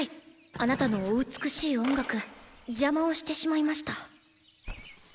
あなたのお美しい音楽邪魔をしてしまいました。